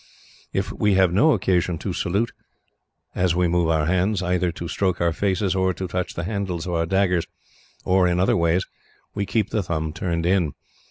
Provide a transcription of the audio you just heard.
If we have no occasion to salute, as we move our hands, either to stroke our faces, or to touch the handles of our daggers, or in other way, we keep the thumb turned in.